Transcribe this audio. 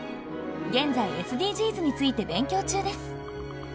現在ＳＤＧｓについて勉強中です。